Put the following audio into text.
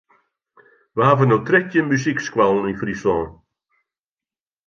We hawwe no trettjin muzykskoallen yn Fryslân.